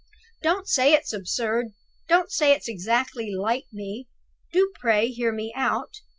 Don't say it's absurd; don't say it's exactly like me. Do pray hear me out.